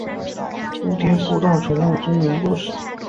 蝴蝶谷道宠物公园就是。